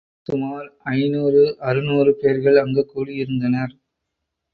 சுமார் ஐநூறு அறுநூறு பேர்கள் அங்கு கூடியிருந்தனர்.